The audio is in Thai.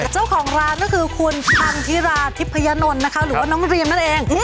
เจ้าของร้านก็คือคุณพันธิราทิพยนนท์นะคะหรือว่าน้องรีมนั่นเอง